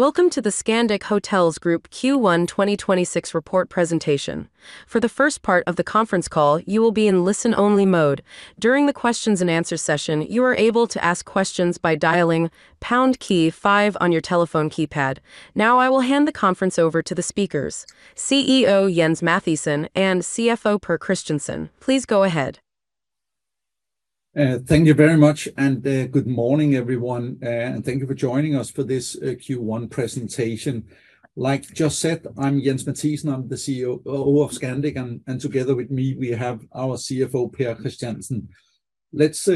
Welcome to the Scandic Hotels Group Q1 2026 report presentation. For the first part of the conference call, you will be in listen-only mode. During the questions-and-answer session, you are able to ask questions by dialing pound key, five on your telephone keypad. Now I will hand the conference over to the speakers, CEO Jens Mathiesen and CFO Pär Christiansen. Please go ahead. Thank you very much and good morning, everyone, and thank you for joining us for this Q1 presentation. Like just said, I'm Jens Mathiesen, I'm the CEO of Scandic, and together with me we have our CFO, Pär Christiansen. Let's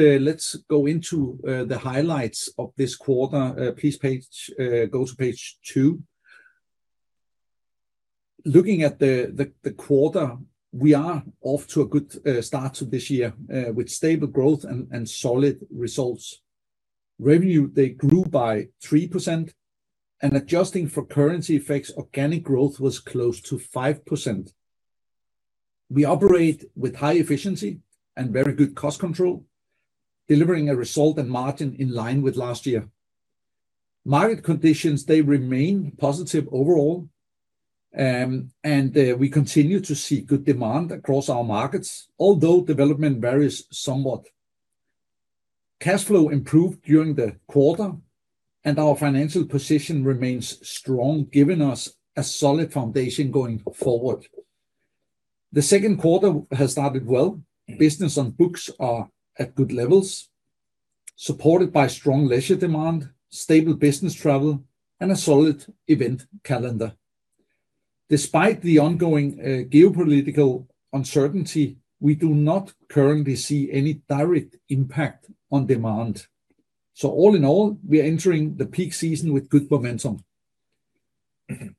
go into the highlights of this quarter. Please go to page two. Looking at the quarter, we are off to a good start to this year with stable growth and solid results. Revenue, they grew by 3%, and adjusting for currency effects, organic growth was close to 5%. We operate with high efficiency and very good cost control, delivering a result and margin in line with last year. Market conditions, they remain positive overall, and we continue to see good demand across our markets, although development varies somewhat. Cash flow improved during the quarter, and our financial position remains strong, giving us a solid foundation going forward. The second quarter has started well. Business and books are at good levels, supported by strong leisure demand, stable business travel, and a solid event calendar. Despite the ongoing geopolitical uncertainty, we do not currently see any direct impact on demand. All in all, we are entering the peak season with good momentum.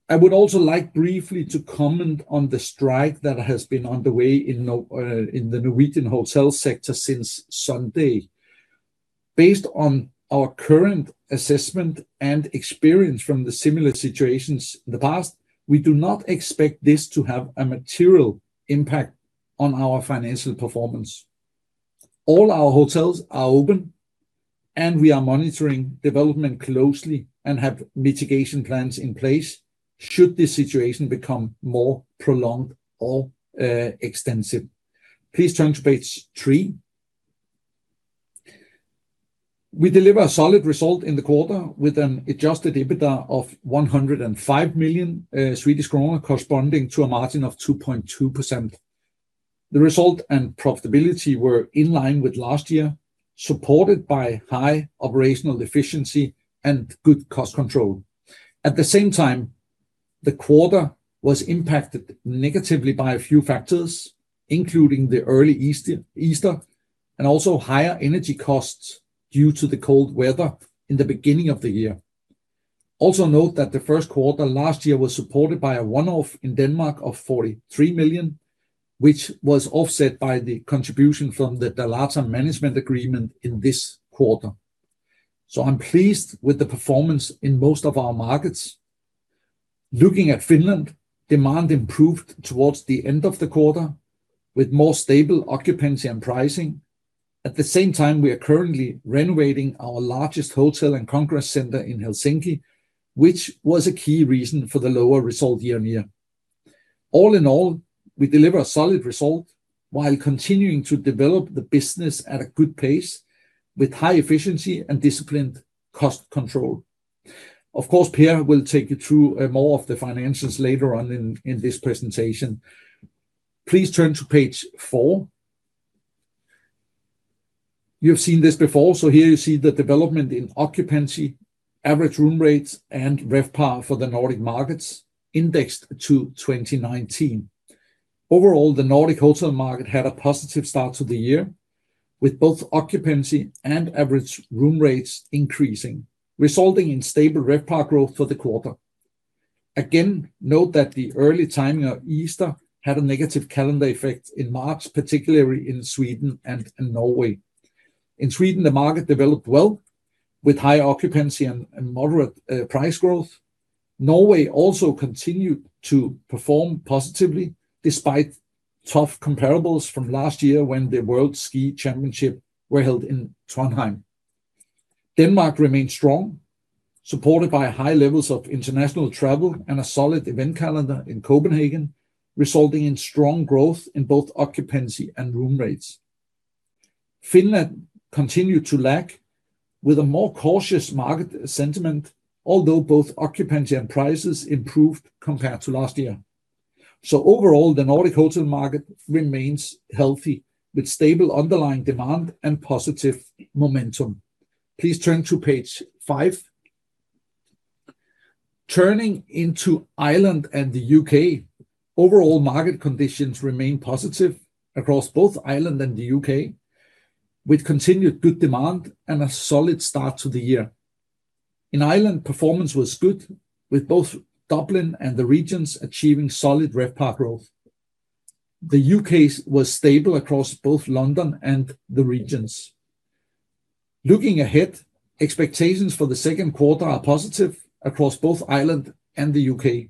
I would also like briefly to comment on the strike that has been underway in the Norwegian hotel sector since Sunday. Based on our current assessment and experience from the similar situations in the past, we do not expect this to have a material impact on our financial performance. All our hotels are open, and we are monitoring development closely and have mitigation plans in place should this situation become more prolonged or extensive. Please turn to page three. We deliver a solid result in the quarter with an adjusted EBITDA of 105 million Swedish kronor, corresponding to a margin of 2.2%. The result and profitability were in line with last year, supported by high operational efficiency and good cost control. At the same time, the quarter was impacted negatively by a few factors, including the early Easter and also higher energy costs due to the cold weather in the beginning of the year. Also note that the first quarter last year was supported by a one-off in Denmark of 43 million, which was offset by the contribution from the Dalata management agreement in this quarter. I'm pleased with the performance in most of our markets. Looking at Finland, demand improved towards the end of the quarter, with more stable occupancy and pricing. At the same time, we are currently renovating our largest hotel and congress center in Helsinki, which was a key reason for the lower result year-over-year. All in all, we deliver a solid result while continuing to develop the business at a good pace with high efficiency and disciplined cost control. Of course, Pär will take you through more of the financials later on in this presentation. Please turn to page four. You've seen this before. Here you see the development in occupancy, average room rates, and RevPAR for the Nordic markets indexed to 2019. Overall, the Nordic hotel market had a positive start to the year, with both occupancy and average room rates increasing, resulting in stable RevPAR growth for the quarter. Again, note that the early timing of Easter had a negative calendar effect in March, particularly in Sweden and in Norway. In Sweden, the market developed well with high occupancy and moderate price growth. Norway also continued to perform positively, despite tough comparables from last year when the World Ski Championships were held in Trondheim. Denmark remained strong, supported by high levels of international travel and a solid event calendar in Copenhagen, resulting in strong growth in both occupancy and room rates. Finland continued to lag with a more cautious market sentiment, although both occupancy and prices improved compared to last year. Overall, the Nordic hotel market remains healthy, with stable underlying demand and positive momentum. Please turn to page five. Turning to Ireland and the U.K., overall market conditions remain positive across both Ireland and the U.K., with continued good demand and a solid start to the year. In Ireland, performance was good, with both Dublin and the regions achieving solid RevPAR growth. The U.K. was stable across both London and the regions. Looking ahead, expectations for the second quarter are positive across both Ireland and the U.K.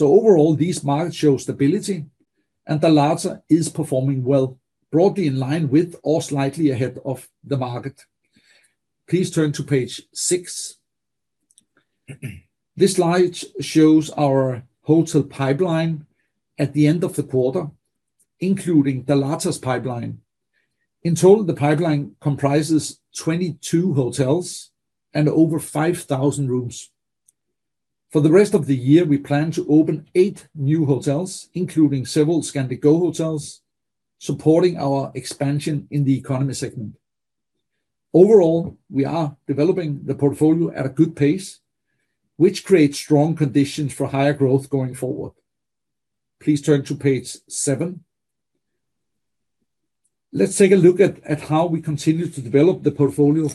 Overall, these markets show stability. Dalata is performing well, broadly in line with or slightly ahead of the market. Please turn to page six. This slide shows our hotel pipeline at the end of the quarter, including Dalata's pipeline. In total, the pipeline comprises 22 hotels and over 5,000 rooms. For the rest of the year, we plan to open eight new hotels, including several Scandic Go hotels, supporting our expansion in the economy segment. Overall, we are developing the portfolio at a good pace, which creates strong conditions for higher growth going forward. Please turn to page seven. Let's take a look at how we continue to develop the portfolio.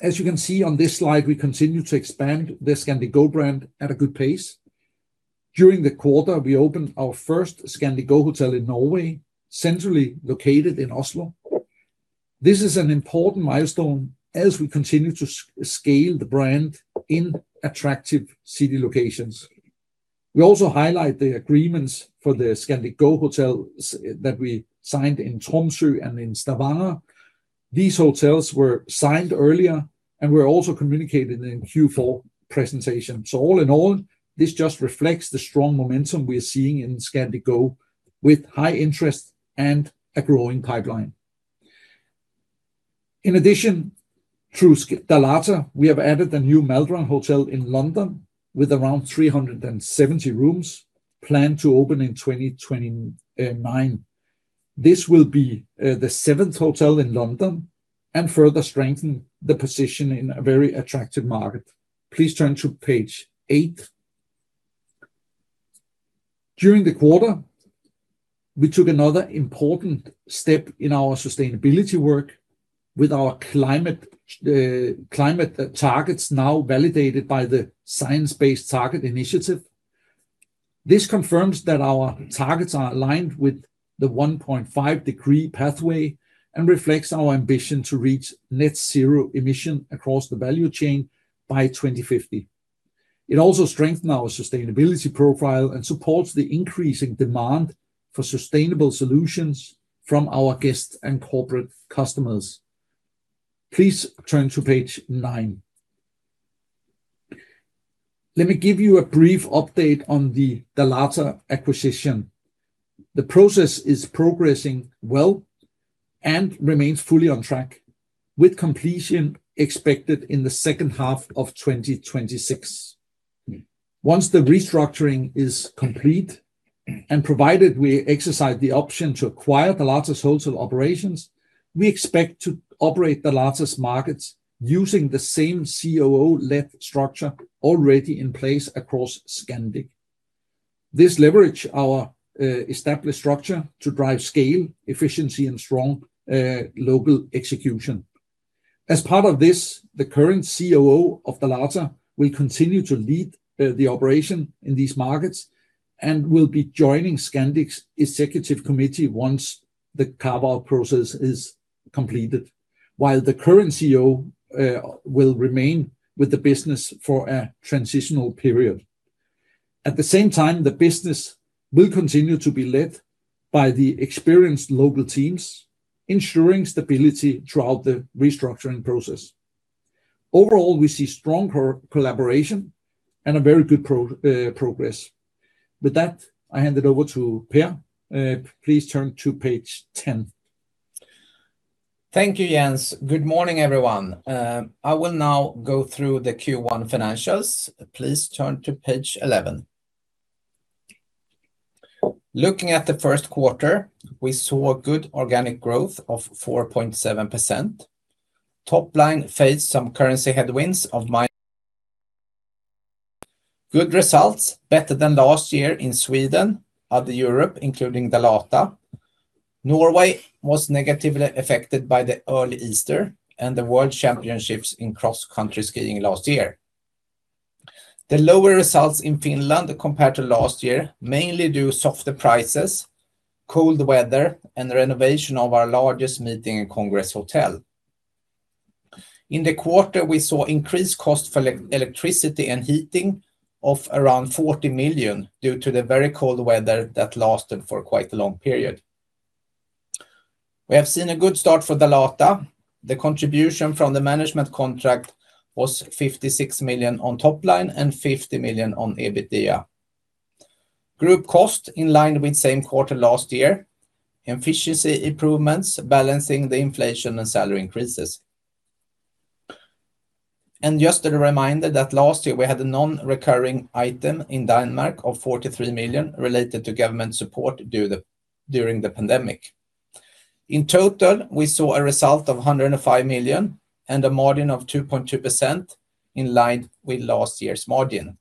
As you can see on this slide, we continue to expand the Scandic Go brand at a good pace. During the quarter, we opened our first Scandic Go hotel in Norway, centrally located in Oslo. This is an important milestone as we continue to scale the brand in attractive city locations. We also highlight the agreements for the Scandic Go hotel that we signed in Tromsø and in Stavanger. These hotels were signed earlier and were also communicated in Q4 presentation. All in all, this just reflects the strong momentum we are seeing in Scandic Go with high interest and a growing pipeline. In addition, through Dalata, we have added a new Maldron Hotel in London with around 370 rooms planned to open in 2029. This will be the seventh hotel in London and further strengthen the position in a very attractive market. Please turn to page eight. During the quarter, we took another important step in our sustainability work with our climate targets now validated by the Science Based Targets Initiative. This confirms that our targets are aligned with the 1.5 degree pathway and reflects our ambition to reach net zero emission across the value chain by 2050. It also strengthen our sustainability profile and supports the increasing demand for sustainable solutions from our guests and corporate customers. Please turn to page nine. Let me give you a brief update on the Dalata acquisition. The process is progressing well and remains fully on track, with completion expected in the second half of 2026. Once the restructuring is complete, and provided we exercise the option to acquire Dalata's hotel operations, we expect to operate Dalata's markets using the same COO-led structure already in place across Scandic. This leverages our established structure to drive scale, efficiency and strong local execution. As part of this, the current COO of Dalata will continue to lead the operation in these markets and will be joining Scandic's executive committee once the carve-out process is completed, while the current COO will remain with the business for a transitional period. At the same time, the business will continue to be led by the experienced local teams, ensuring stability throughout the restructuring process. Overall, we see strong collaboration and a very good progress. With that, I hand it over to Pär. Please turn to page 10. Thank you, Jens. Good morning, everyone. I will now go through the Q1 financials. Please turn to page 11. Looking at the first quarter, we saw good organic growth of 4.7%. Top line faced some currency headwinds. Good results, better than last year in Sweden, other Europe, including Dalata. Norway was negatively affected by the early Easter and the World Championships in cross-country skiing last year. The lower results in Finland compared to last year, mainly due to softer prices, cold weather, and renovation of our largest meeting and congress hotel. In the quarter, we saw increased cost for electricity and heating of around 40 million due to the very cold weather that lasted for quite a long period. We have seen a good start for Dalata. The contribution from the management contract was 56 million on top line and 50 million on EBITDA. Group cost in line with same quarter last year. Efficiency improvements balancing the inflation and salary increases. Just a reminder that last year we had a non-recurring item in Denmark of 43 million related to government support during the pandemic. In total, we saw a result of 105 million and a margin of 2.2% in line with last year's margin.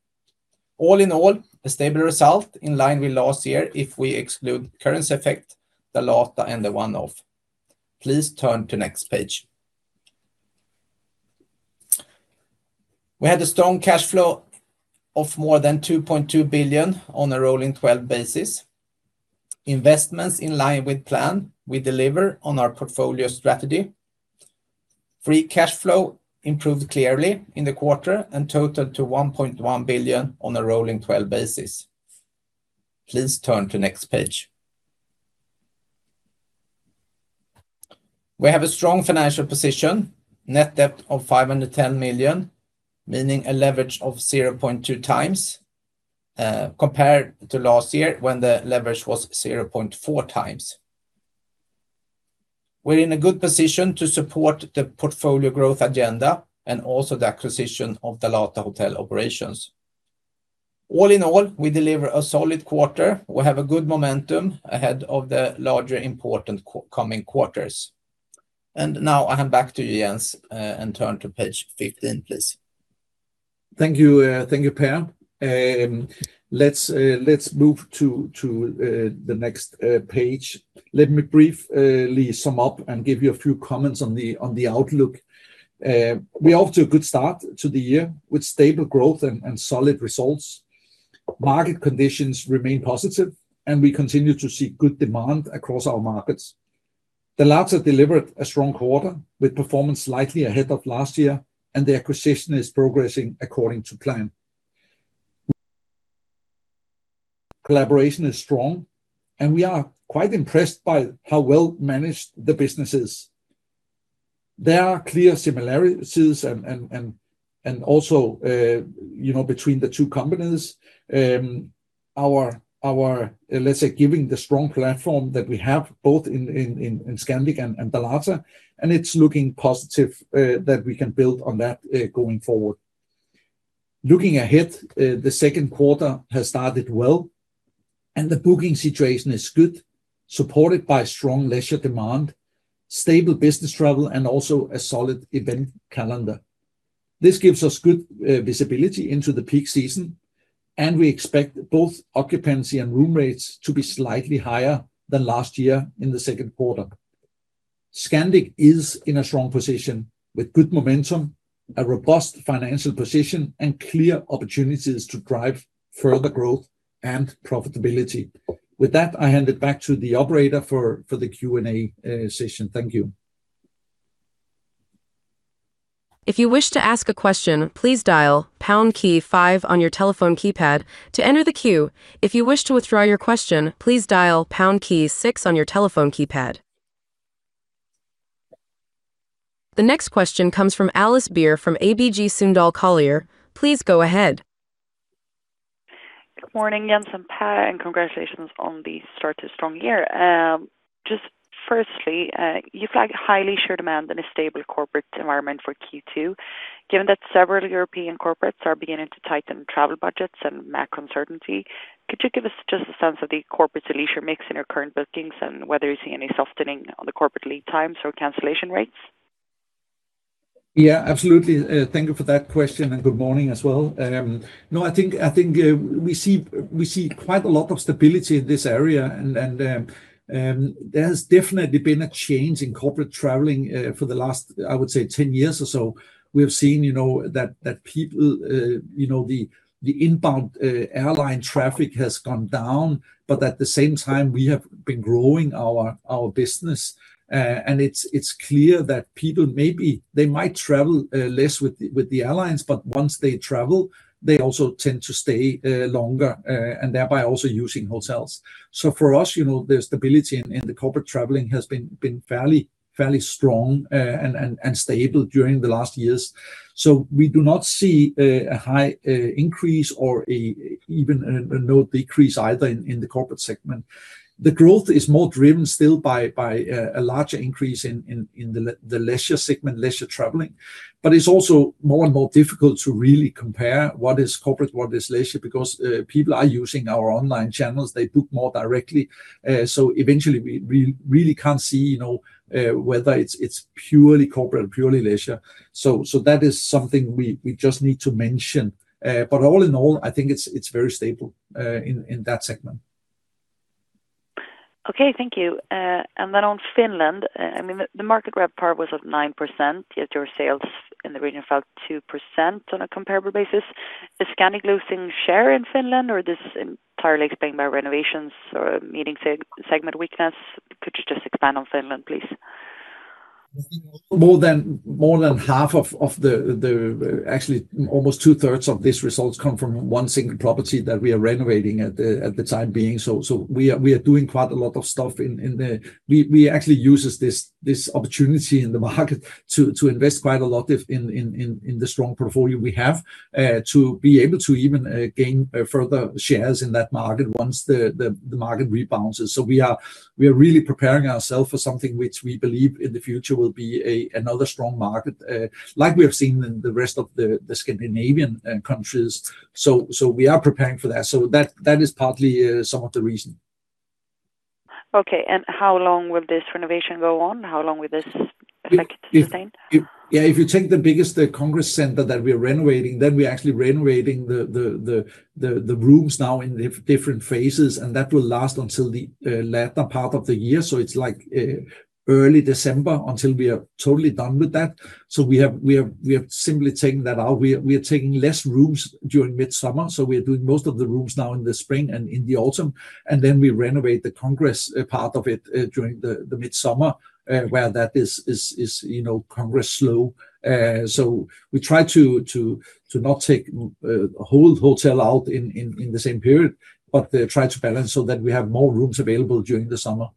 All in all, a stable result in line with last year if we exclude currency effect, Dalata, and the one-off. Please turn to next page. We had a strong cash flow of more than 2.2 billion on a rolling 12 basis. Investments in line with plan. We deliver on our portfolio strategy. Free cash flow improved clearly in the quarter and totaled to 1.1 billion on a rolling 12 basis. Please turn to next page. We have a strong financial position, net debt of 510 million, meaning a leverage of 0.2x, compared to last year when the leverage was 0.4x. We're in a good position to support the portfolio growth agenda and also the acquisition of the Dalata hotel operations. All in all, we deliver a solid quarter. We have a good momentum ahead of the larger important coming quarters. Now I hand back to you, Jens, and turn to page 15, please. Thank you, Pär. Let's move to the next page. Let me briefly sum up and give you a few comments on the outlook. We're off to a good start to the year with stable growth and solid results. Market conditions remain positive, and we continue to see good demand across our markets. Dalata delivered a strong quarter with performance slightly ahead of last year, and the acquisition is progressing according to plan. Collaboration is strong, and we are quite impressed by how well managed the business is. There are clear similarities also between the two companies. Our, let's say, given the strong platform that we have both in Scandic and Dalata, and it's looking positive that we can build on that going forward. Looking ahead, the second quarter has started well, and the booking situation is good, supported by strong leisure demand, stable business travel, and also a solid event calendar. This gives us good visibility into the peak season, and we expect both occupancy and room rates to be slightly higher than last year in the second quarter. Scandic is in a strong position with good momentum, a robust financial position, and clear opportunities to drive further growth and profitability. With that, I hand it back to the operator for the Q&A session. Thank you. If you wish to ask a question, please dial pound key, five on your telephone keypad to enter the queue. To withdraw your question, please dial pound key, six on your telephone keypad. The next question comes from Alice Beer from ABG Sundal Collier. Please go ahead. Good morning, Jens and Pär, and congratulations on a strong start to the year. Just firstly, you flagged high leisure demand in a stable corporate environment for Q2. Given that several European corporates are beginning to tighten travel budgets and macro uncertainty, could you give us just a sense of the corporate to leisure mix in your current bookings and whether you're seeing any softening on the corporate lead times or cancellation rates? Yeah, absolutely. Thank you for that question, and good morning as well. No, I think we see quite a lot of stability in this area, and there has definitely been a change in corporate traveling, for the last, I would say, 10 years or so. We have seen that the inbound airline traffic has gone down, but at the same time, we have been growing our business. It's clear that people, maybe they might travel less with the airlines, but once they travel, they also tend to stay longer, and thereby also using hotels. For us, the stability in the corporate traveling has been fairly strong and stable during the last years. We do not see a high increase or even a notable decrease either in the corporate segment. The growth is more driven still by a larger increase in the leisure segment, leisure traveling. It's also more and more difficult to really compare what is corporate, what is leisure, because people are using our online channels. They book more directly. Eventually we really can't see whether it's purely corporate, purely leisure. that is something we just need to mention. All in all, I think it's very stable in that segment. Okay. Thank you. Then on Finland, the market RevPAR was at 9%, yet your sales in the region fell 2% on a comparable basis. Is Scandic losing share in Finland, or is this entirely explained by renovations or meeting segment weakness? Could you just expand on Finland, please? Actually, almost 2/3 of these results come from one single property that we are renovating at the time being, so we are doing quite a lot of stuff. We actually use this opportunity in the market to invest quite a lot in the strong portfolio we have, to be able to even gain further shares in that market once the market rebounds. We are really preparing ourselves for something which we believe in the future will be another strong market, like we have seen in the rest of the Scandinavian countries so we are preparing for that. That is partly some of the reason. Okay, how long will this renovation go on? How long will this effect be sustained? Yeah. If you take the biggest congress center that we're renovating, then we're actually renovating the rooms now in different phases, and that will last until the latter part of the year. It's early December until we are totally done with that, so we have simply taken that out. We are taking less rooms during midsummer, so we are doing most of the rooms now in the spring and in the autumn, and then we renovate the congress part of it during the midsummer, where that is congress slow. We try to not take a whole hotel out in the same period, but try to balance so that we have more rooms available during the summer.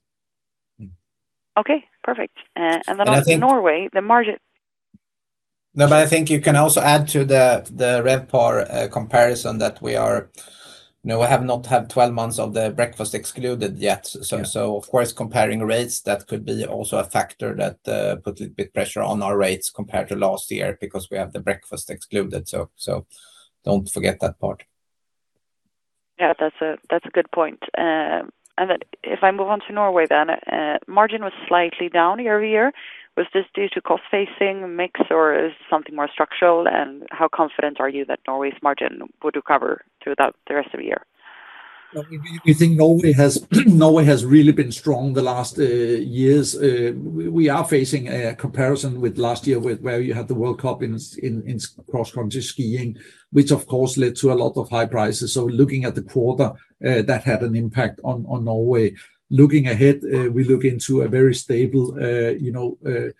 Okay, perfect. On to Norway, the margin. No, I think you can also add to the RevPAR comparison that we have not had 12 months of the breakfast excluded yet. Yeah. Of course, comparing rates, that could be also a factor that put a bit pressure on our rates compared to last year because we have the breakfast excluded, so don't forget that part. Yeah, that's a good point. If I move on to Norway then, margin was slightly down year-over-year. Was this due to cost inflation, mix, or is it something more structural? How confident are you that Norway's margin would recover throughout the rest of the year? We think Norway has really been strong the last years. We are facing a comparison with last year, where you had the World Cup in cross-country skiing, which of course led to a lot of high prices. Looking at the quarter, that had an impact on Norway. Looking ahead, we look into a very stable Q2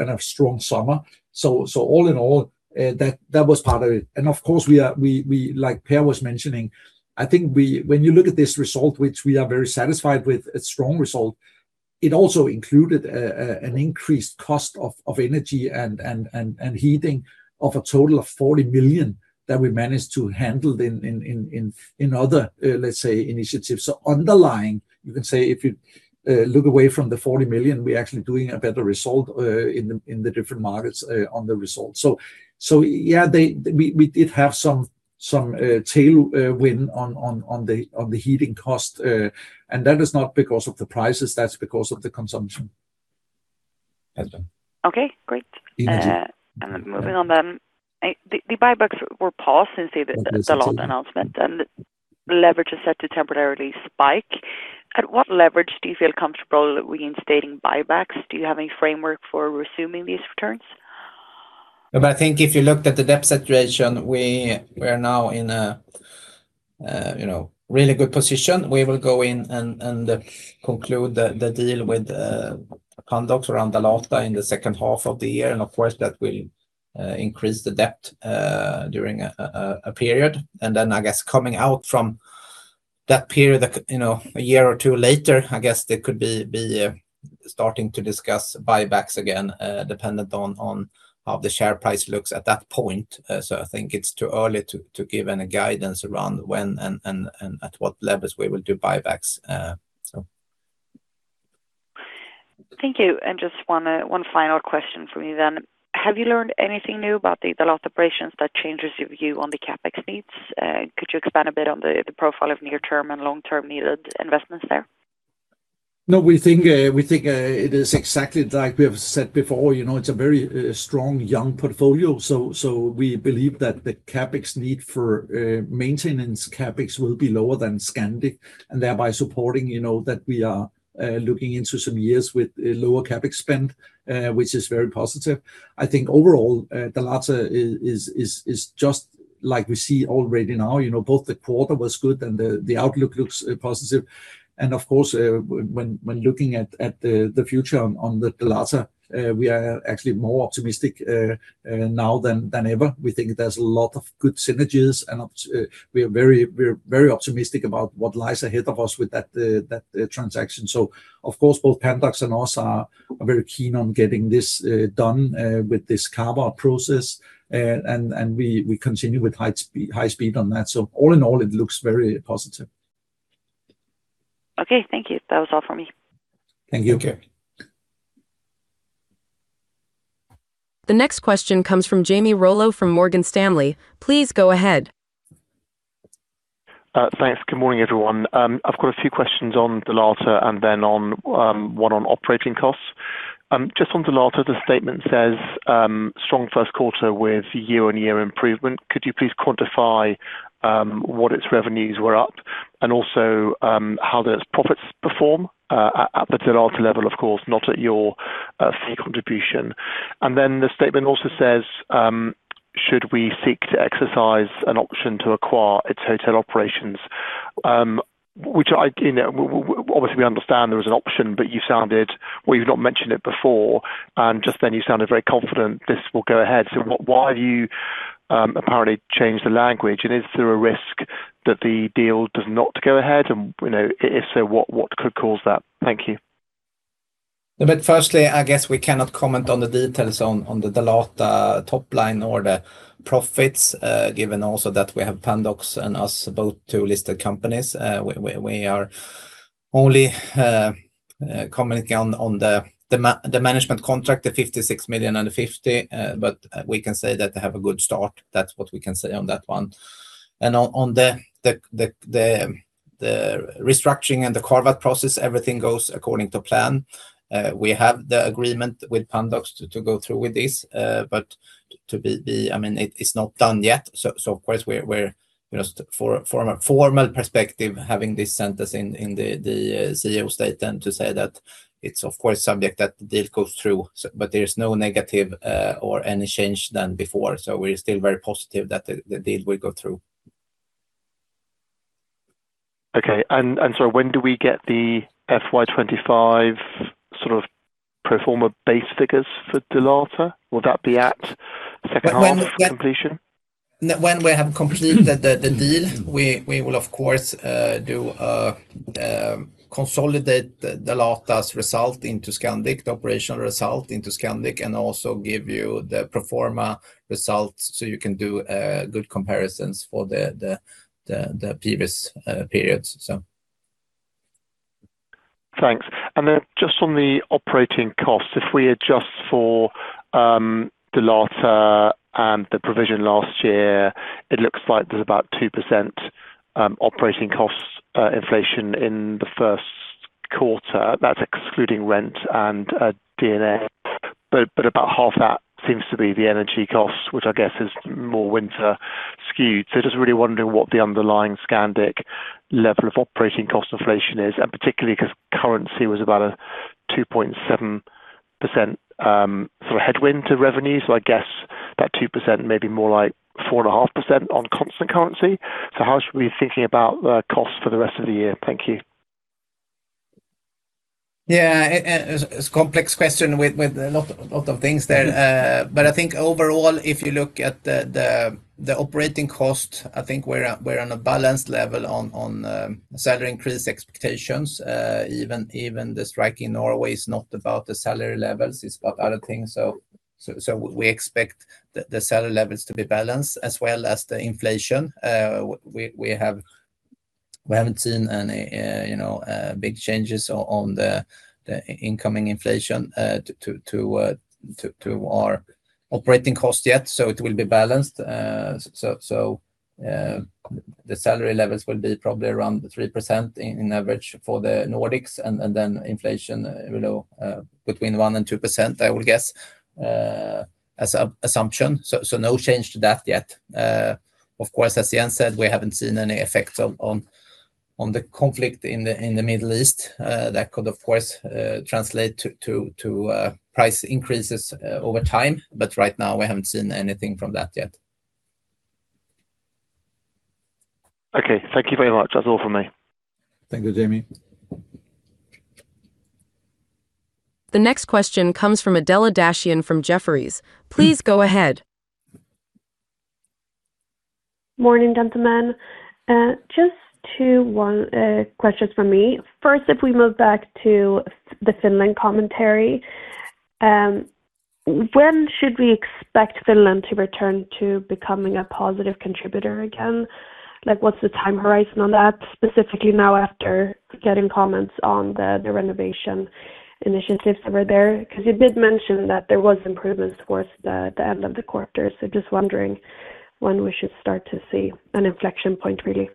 and a strong summer. All in all, that was part of it. Of course, like Pär was mentioning, I think when you look at this result, which we are very satisfied with, a strong result, it also included an increased cost of energy and heating of a total of 40 million that we managed to handle in other, let's say, initiatives. Underlying, you can say, if you look away from the 40 million, we're actually doing a better result in the different markets on the results. Yeah, we did have some tailwind on the heating cost. That is not because of the prices, that's because of the consumption. That's done. Okay, great. Easy. Moving on then. The buybacks were paused since the Dalata announcement, and leverage is set to temporarily spike. At what leverage do you feel comfortable reinstating buybacks? Do you have any framework for resuming these returns? I think if you looked at the debt situation, we're now in a really good position. We will go in and conclude the deal with Pandox around Dalata in the second half of the year. Of course, that will increase the debt during a period. Then, I guess, coming out from that period, a year or two later, I guess they could be starting to discuss buybacks again, dependent on how the share price looks at that point. I think it's too early to give any guidance around when and at what levels we will do buybacks. Thank you. Just one final question from me then. Have you learned anything new about the Dalata operations that changes your view on the CapEx needs? Could you expand a bit on the profile of near-term and long-term needed investments there? No, we think it is exactly like we have said before. It's a very strong, young portfolio. We believe that the CapEx need for maintenance CapEx will be lower than Scandic, and thereby supporting that we are looking into some years with lower CapEx spend, which is very positive. I think overall, Dalata is just like we see already now. Both the quarter was good and the outlook looks positive. Of course, when looking at the future on the Dalata, we are actually more optimistic now than ever. We think there's a lot of good synergies, and we are very optimistic about what lies ahead of us with that transaction. Of course, both Pandox and us are very keen on getting this done with this carve-out process. We continue with high speed on that. All in all, it looks very positive. Okay, thank you. That was all for me. Thank you. Okay. The next question comes from Jamie Rollo from Morgan Stanley. Please go ahead. Thanks. Good morning, everyone. I've got a few questions on Dalata and then one on operating costs. Just on Dalata, the statement says strong first quarter with year-on-year improvement. Could you please quantify what its revenues were up and also how those profits perform, at the Dalata level, of course, not at your fee contribution. Then the statement also says, should we seek to exercise an option to acquire its hotel operations, which obviously we understand there is an option, but you sounded. Well, you've not mentioned it before, and just then you sounded very confident this will go ahead. Why have you apparently changed the language? And is there a risk that the deal does not go ahead? If so, what could cause that? Thank you. Firstly, I guess we cannot comment on the details on the Dalata top line or the profits, given also that we have Pandox and us both two listed companies. We are only commenting on the management contract, the 56 million and 50 million. We can say that they have a good start. That's what we can say on that one. On the restructuring and the carve out process, everything goes according to plan. We have the agreement with Pandox to go through with this. It's not done yet. Of course, from a formal perspective, having this sentence in the CEO statement to say that it's of course subject that the deal goes through but there is no negative or any change than before. We're still very positive that the deal will go through. Okay. Sorry, when do we get the FY 2025 pro forma base figures for Dalata, will that be at the second half completion? When we have completed the deal, we will of course consolidate Dalata's result into Scandic, the operational result into Scandic, and also give you the pro forma results so you can do good comparisons for the previous periods. Thanks. Just on the operating costs, if we adjust for Dalata and the provision last year, it looks like there's about 2% operating cost inflation in the first quarter. That's excluding rent and D&A. About half that seems to be the energy cost, which I guess is more winter skewed. Just really wondering what the underlying Scandic level of operating cost inflation is, and particularly because currency was about a 2.7% sort of headwind to revenue. I guess that 2% may be more like 4.5% on constant currency. How should we be thinking about cost for the rest of the year? Thank you. Yeah. It's a complex question with a lot of things there. I think overall, if you look at the operating cost, I think we're on a balanced level on salary increase expectations. Even the strike in Norway is not about the salary levels, it's about other things. We expect the salary levels to be balanced as well as the inflation. We haven't seen any big changes on the incoming inflation to our operating cost yet, so it will be balanced. The salary levels will be probably around 3% in average for the Nordics and then inflation below between 1%-2%, I would guess, as an assumption. No change to that yet. Of course, as Jens said, we haven't seen any effect on the conflict in the Middle East. That could, of course, translate to price increases over time. Right now we haven't seen anything from that yet. Okay. Thank you very much. That's all from me. Thank you, Jamie. The next question comes from Adela Dashian from Jefferies. Please go ahead. Morning, gentlemen. Just two questions from me. First, if we move back to the Finland commentary, when should we expect Finland to return to becoming a positive contributor again and what's the time horizon on that? Specifically now after getting comments on the renovation initiatives over there, because you did mention that there was improvements towards the end of the quarter, so just wondering when we should start to see an inflection point, really.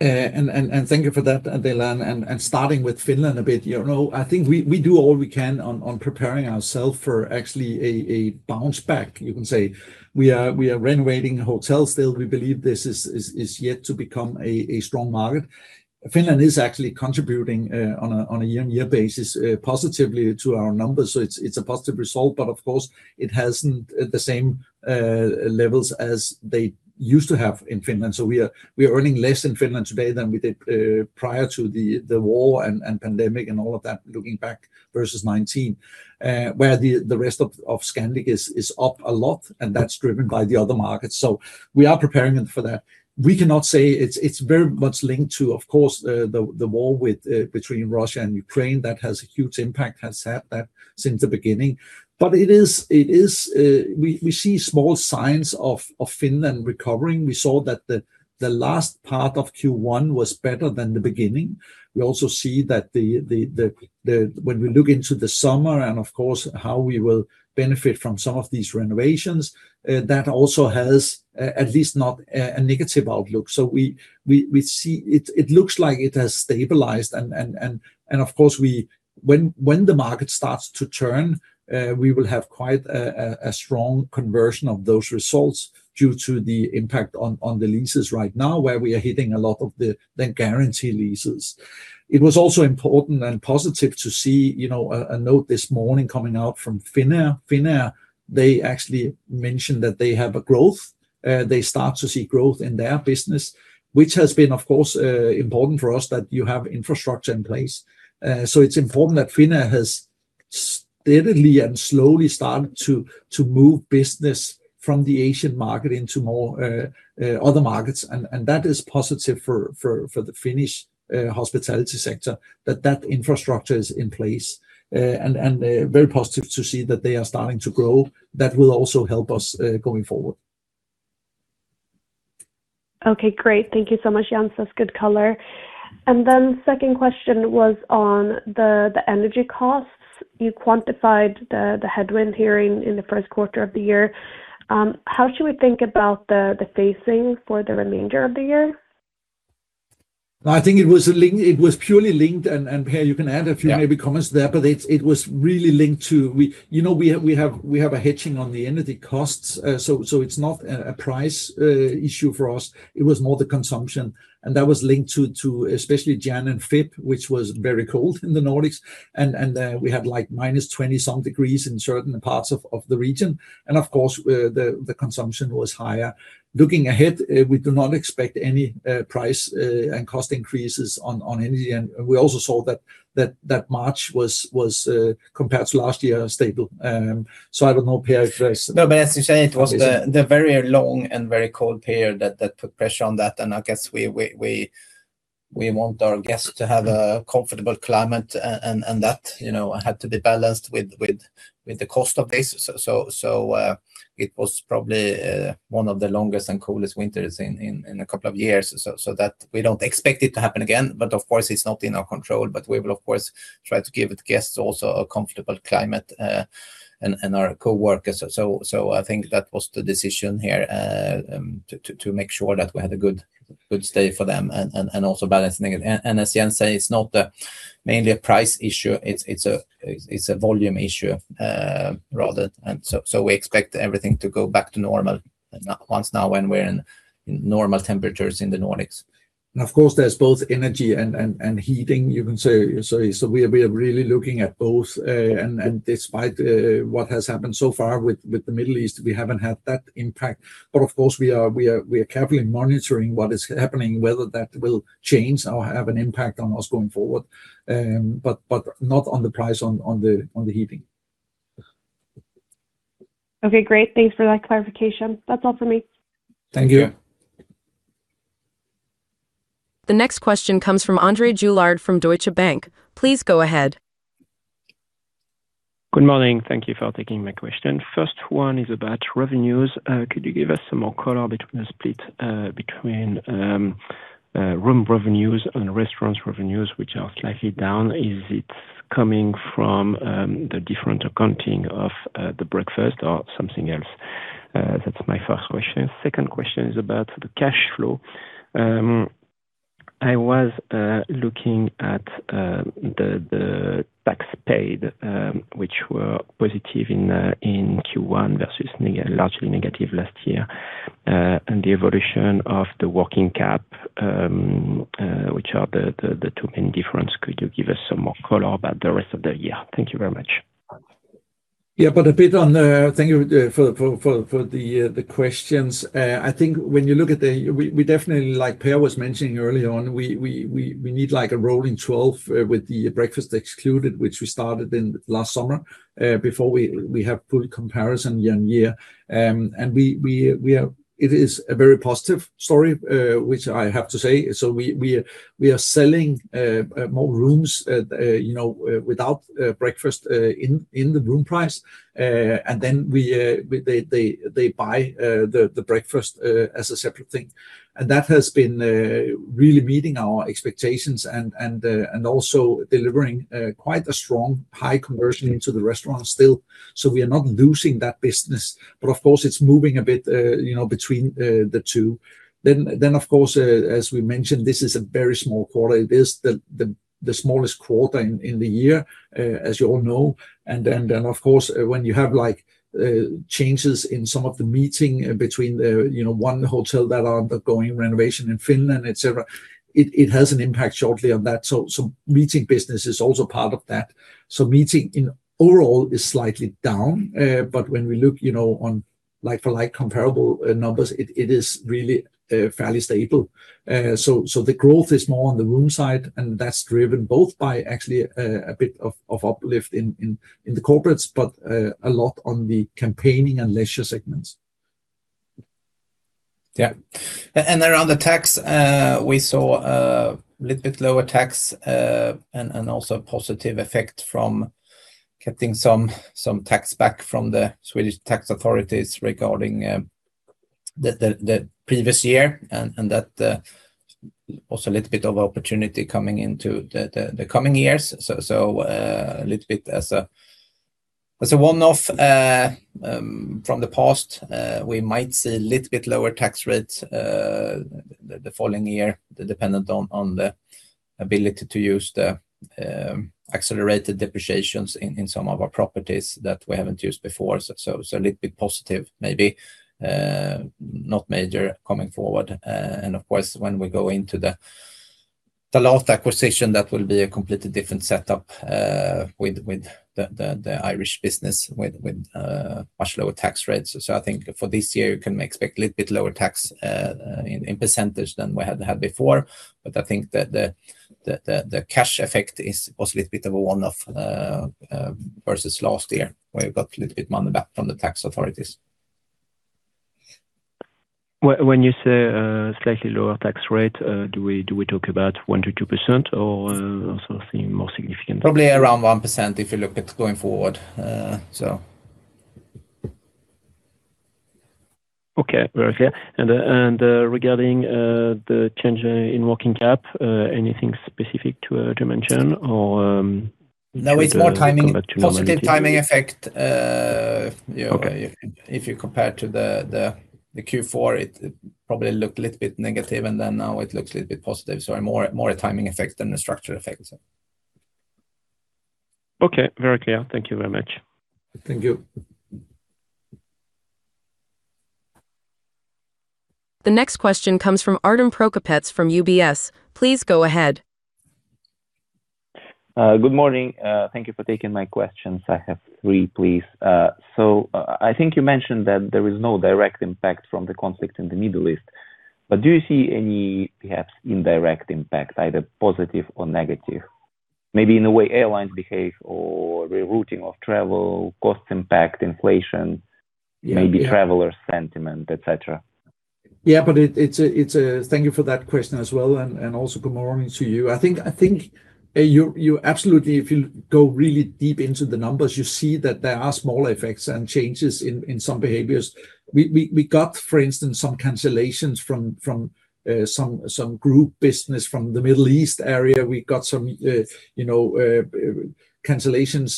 Thank you for that, Adela. Starting with Finland a bit, I think we do all we can on preparing ourself for actually a bounce back, you can say. We are renovating hotels still. We believe this is yet to become a strong market. Finland is actually contributing, on a year-over-year basis, positively to our numbers so it's a positive result, but Oof course, it hasn't the same levels as they used to have in Finland. We are earning less in Finland today than we did prior to the war and pandemic and all of that looking back versus 2019. Where the rest of Scandic is up a lot, and that's driven by the other markets. We are preparing for that. We cannot say it's very much linked to, of course, the war between Russia and Ukraine. That has a huge impact, has had that since the beginning. We see small signs of Finland recovering. We saw that the last part of Q1 was better than the beginning. We also see that when we look into the summer and, of course, how we will benefit from some of these renovations, that also has at least not a negative outlook. It looks like it has stabilized, and of course, when the market starts to turn, we will have quite a strong conversion of those results due to the impact on the leases right now where we are hitting a lot of the guarantee leases. It was also important and positive to see a note this morning coming out from Finnair. Finnair, they actually mentioned that they have a growth. They start to see growth in their business, which has been, of course, important for us that you have infrastructure in place. It's important that Finnair has steadily and slowly started to move business from the Asian market into other markets. That is positive for the Finnish hospitality sector, that that infrastructure is in place. Very positive to see that they are starting to grow. That will also help us going forward. Okay, great. Thank you so much, Jens. That's good color. Second question was on the energy costs. You quantified the headwind here in the first quarter of the year, how should we think about the phasing for the remainder of the year? I think it was purely linked, and Pär, you can add a few maybe comments there. Yeah. It was really linked to, we have a hedging on the energy costs. It's not a price issue for us. It was more the consumption. That was linked to especially January and February, which was very cold in the Nordics. We had like -20 some degrees in certain parts of the region. Of course, the consumption was higher. Looking ahead, we do not expect any price and cost increases on energy. We also saw that March was, compared to last year, stable. I don't know, Pär, if there's- No, as you say, it was the very long and very cold period that put pressure on that. I guess we want our guests to have a comfortable climate and that had to be balanced with the cost of this, soit was probably one of the longest and coolest winters in a couple of years. We don't expect it to happen again, but of course, it's not in our control. We will, of course, try to give the guests also a comfortable climate, and our coworkers. I think that was the decision here, to make sure that we had a good stay for them and also balancing it. As Jens say, it's not mainly a price issue, it's a volume issue rather and so we expect everything to go back to normal once now when we're in normal temperatures in the Nordics. Of course, there's both energy and heating, you can say. We are really looking at both, and despite what has happened so far with the Middle East, we haven't had that impact. Of course, we are carefully monitoring what is happening, whether that will change or have an impact on us going forward. Not on the price, on the heating. Okay, great. Thanks for that clarification. That's all for me. Thank you. Yeah. The next question comes from André Juillard from Deutsche Bank. Please go ahead. Good morning. Thank you for taking my question. First one is about revenues. Could you give us some more color between the split between room revenues and restaurants revenues, which are slightly down? Is it coming from the different accounting of the breakfast or something else? That's my first question. Second question is about the cash flow. I was looking at the tax paid, which were positive in Q1 versus largely negative last year. The evolution of the working cap, which are the two main difference. Could you give us some more color about the rest of the year? Thank you very much. Yeah. Thank you for the questions. I think when you look at, we definitely, like Pär was mentioning early on, we need like a rolling 12 with the breakfast excluded, which we started in last summer, before we have full comparison year-over-year. It is a very positive story, which I have to say. We are selling more rooms without breakfast in the room price. Then they buy the breakfast as a separate thing. That has been really meeting our expectations and also delivering quite a strong high conversion into the restaurant still. We are not losing that business, but of course, it's moving a bit between the two. Of course, as we mentioned, this is a very small quarter. It is the smallest quarter in the year, as you all know. Of course, when you have changes in some of the meeting between one hotel that are undergoing renovation in Finland, etc., it has an impact shortly on that. Meeting business is also part of that. Meeting in overall is slightly down. When we look on like for like comparable numbers, it is really fairly stable. The growth is more on the room side, and that's driven both by actually a bit of uplift in the corporates, but a lot on the campaigning and leisure segments. Yeah. Around the tax, we saw a little bit lower tax, and also a positive effect from getting some tax back from the Swedish tax authorities regarding the previous year. That was a little bit of opportunity coming into the coming years. A little bit as a one-off from the past. We might see a little bit lower tax rates the following year, dependent on the ability to use the accelerated depreciations in some of our properties that we haven't used before. A little bit positive, maybe. Not major coming forward. Of course, when we go into the last acquisition, that will be a completely different setup, with the Irish business with much lower tax rates. I think for this year, you can expect a little bit lower tax, in percentage, than we had before. I think the cash effect was a little bit of a one-off, versus last year, where we got a little bit money back from the tax authorities. When you say a slightly lower tax rate, do we talk about 1%-2% or something more significant? Probably around 1% if you look at going forward. Okay. Very clear. Regarding the change in working cap, anything specific to mention or- No, it's more timing. Positive timing effect. Okay. If you compare to the Q4, it probably looked a little bit negative, and then now it looks a little bit positive, so more a timing effect than a structure effect. Okay. Very clear. Thank you very much. Thank you. The next question comes from Artem Prokopets from UBS. Please go ahead. Good morning. Thank you for taking my questions. I have three, please. I think you mentioned that there is no direct impact from the conflict in the Middle East, but do you see any perhaps indirect impact, either positive or negative? Maybe in the way airlines behave or rerouting of travel, cost impact, inflation- Yeah. ...maybe traveler sentiment, etc. Yeah. Thank you for that question as well, and also good morning to you. I think you absolutely, if you go really deep into the numbers, you see that there are small effects and changes in some behaviors. We got, for instance, some cancellations from some group business from the Middle East area. We got some cancellations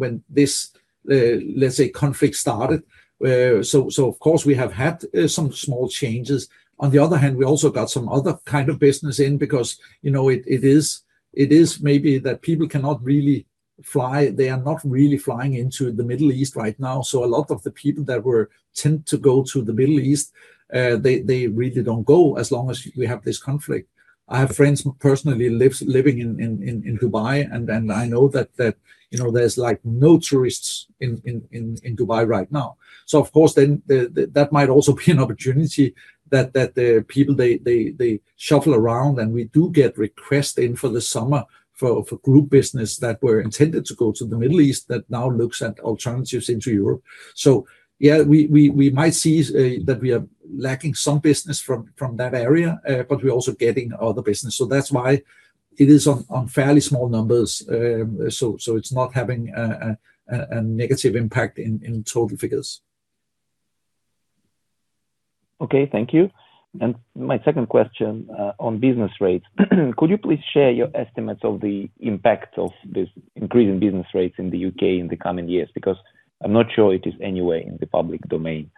when this, let's say, conflict started. So of course, we have had some small changes. On the other hand, we also got some other kind of business in because it is maybe that people cannot really fly. They are not really flying into the Middle East right now. So a lot of the people who tend to go to the Middle East, they really don't go as long as we have this conflict. I have friends personally living in Dubai, and I know that there's no tourists in Dubai right now. Of course then, that might also be an opportunity that the people, they shuffle around, and we do get requests in for the summer for group business that were intended to go to the Middle East that now looks at alternatives into Europe. Yeah, we might see that we are lacking some business from that area, but we're also getting other business. That's why it is on fairly small numbers. It's not having a negative impact in total figures. Okay, thank you. My second question on business rates. Could you please share your estimates of the impact of this increase in business rates in the U.K. in the coming years because I'm not sure it is anywhere in the public domain?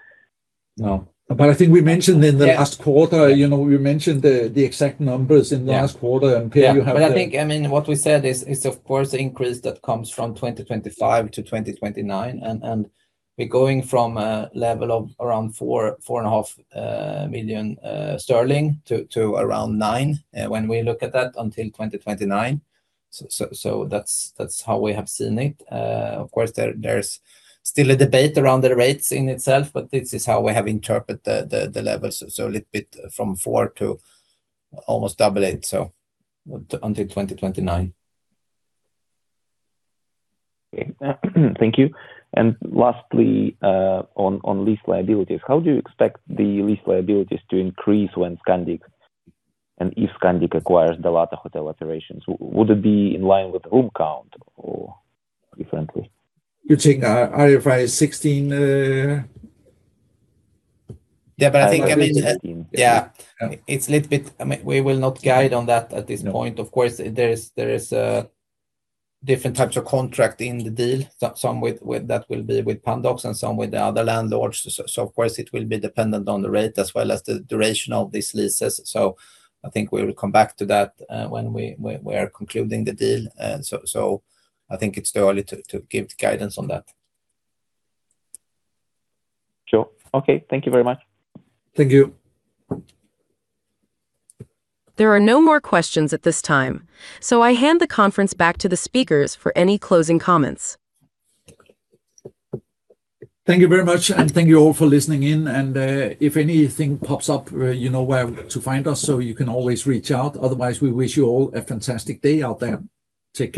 No. I think we mentioned the exact numbers in the last quarter, and Pär, you have the- Yeah. I think, what we said is, it's of course the increase that comes from 2025-2029, and we're going from a level of around 4.5 million sterling to around 9 million, when we look at that until 2029. That's how we have seen it. Of course, there's still a debate around the rates in itself, but this is how we have interpreted the levels. A little bit from 4 million to almost double it, so until 2029. Okay. Thank you. Lastly, on lease liabilities, how do you expect the lease liabilities to increase when Scandic, and if Scandic acquires the Dalata hotel operations? Would it be in line with the room count or differently? You're talking IFRS 16. Yeah, I think, I mean. IFRS 16. Yeah. We will not guide on that at this point. Of course, there is different types of contract in the deal, some that will be with Pandox and some with the other landlords. Of course, it will be dependent on the rate as well as the duration of these leases. I think we will come back to that when we are concluding the deal. I think it's too early to give guidance on that. Sure. Okay. Thank you very much. Thank you. There are no more questions at this time, so I hand the conference back to the speakers for any closing comments. Thank you very much, and thank you all for listening in. If anything pops up, you know where to find us, so you can always reach out. Otherwise, we wish you all a fantastic day out there. Take care